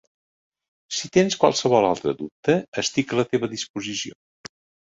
Si tens qualsevol altre dubte, estic a la teva disposició.